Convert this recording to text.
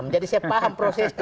jadi saya paham prosesnya